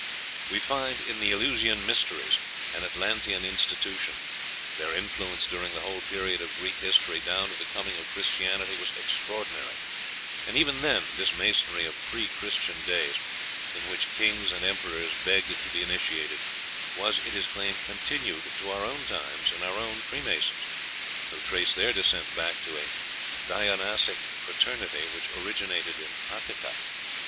We find in the "Eleusinian mysteries" an Atlantean institution; their influence during the whole period of Greek history down to the coming of Christianity was extraordinary; and even then this masonry of Pre Christian days, in which kings and emperors begged to be initiated, was, it is claimed, continued to our own times in our own Freemasons, who trace their descent back to "a Dionysiac fraternity which originated in Attika."